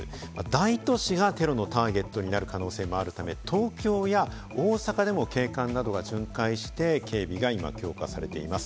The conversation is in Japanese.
大都市がテロのターゲットになる可能性もあるため、東京や大阪でも警官などが巡回して、警備が今、強化されています。